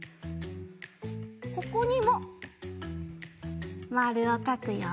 ここにもまるをかくよ。